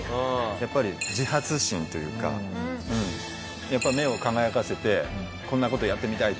やっぱり自発心というかやっぱ目を輝かせてこんな事やってみたいとか。